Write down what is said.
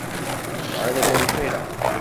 儿子终于睡着